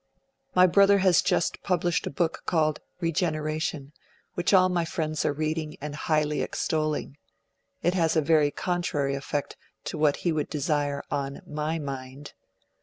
'My brother has just published a book called "Regeneration", which all my friends are reading and highly extolling; it has a very contrary effect to what he would desire on my mind.